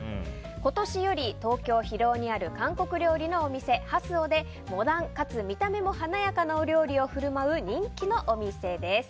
今年より、東京・広尾にある韓国料理のお店ハスオにてモダンかつ見た目も華やかなお料理で人気のお店です。